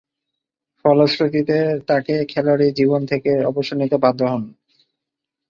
ফলশ্রুতিতে তাকে খেলোয়াড়ী জীবন থেকে অবসর নিতে বাধ্য হন।